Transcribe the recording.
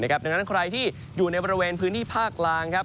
ดังนั้นใครที่อยู่ในบริเวณพื้นที่ภาคกลาง